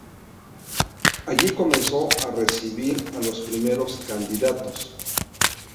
Allí comenzó a recibir a los primeros candidatos.